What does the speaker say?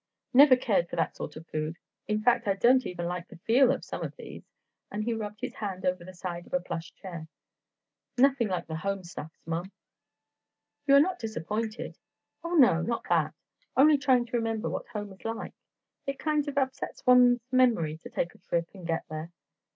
"Never cared for that sort of food. In fact I don't even like the feel of some of these," and he rubbed his hand over the side of a plush chair. "Nothing like the home stuffs, Mom." "You are not disappointed?" "Oh, no, not that. Only trying to remember what home is like. It kind of upsets one's memory to take a trip and get here.